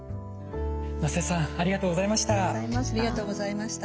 能瀬さんありがとうございました。